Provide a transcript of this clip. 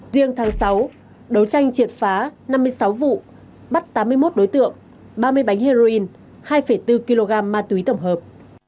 riêng tháng sáu đấu tranh triệt phá năm mươi sáu vụ bắt tám mươi một đối tượng ba mươi bánh heroin hai bốn kg ma túy tổng hợp